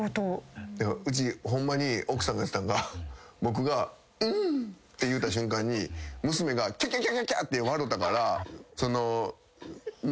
うちホンマに奥さんが言ってたんが僕が「んん」って言うた瞬間に娘が「キャキャキャ」って笑たから「おもろかったな」